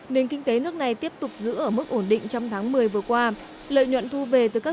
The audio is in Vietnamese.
nền kinh tế nước này tiếp tục giữ ở mức ổn định trong tháng một mươi vừa qua lợi nhuận thu về từ các